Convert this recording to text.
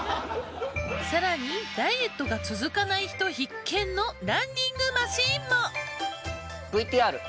さらにダイエットが続かない人必見のランニングマシーンも！